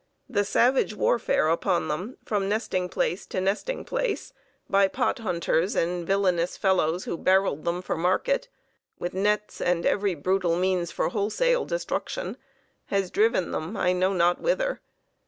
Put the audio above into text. The savage warfare upon them, from nesting place to nesting place by pot hunters and villainous fellows who barreled them for market, with nets and every brutal means for wholesale destruction, has driven them, I know not whither.